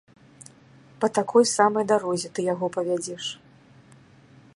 Па такой самай дарозе ты яго павядзеш.